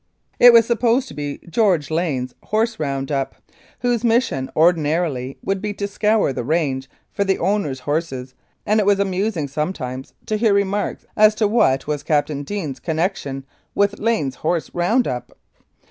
It was supposed to be George Lane's horse round up, whose mission ordinarily would be to scour the range for the owner's horses, and it was amusing sometimes to hear remarks as to what was Captain Deane's connection with Lane's horse round up